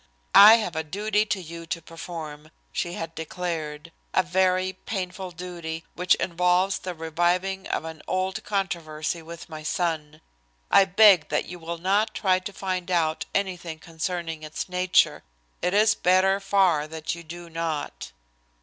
"I have a duty to you to perform," she had declared, "a very painful duty, which involves the reviving of an old controversy with my son. I beg that you will not try to find out anything concerning its nature. It is better far that you do not."